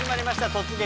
「突撃！